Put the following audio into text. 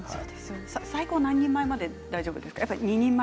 最高何人前まで大丈夫ですか。